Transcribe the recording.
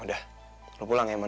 kita akan berjumpa lagi besok